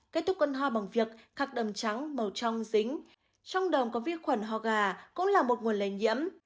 kết thúc cơn hò bằng việc khắc đầm trắng màu trong dính trong đồng có vi khuẩn hò gà cũng là một nguồn lây nhiễm